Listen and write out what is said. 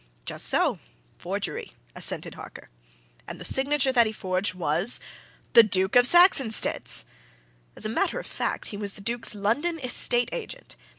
"Just so forgery," assented Harker. "And the signature that he forged was the Duke of Saxonsteade's! As a matter of fact, he was the Duke's London estate agent.